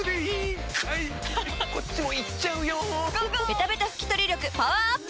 ベタベタ拭き取り力パワーアップ！